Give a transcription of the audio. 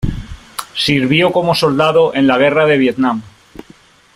Sirvió como soldado en la Guerra de Vietnam.